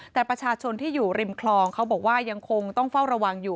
แต่ประชาชนที่อยู่ริมคลองเขาบอกว่ายังคงต้องเฝ้าระวังอยู่